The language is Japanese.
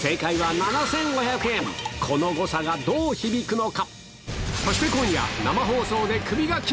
この誤差がどう響くのか？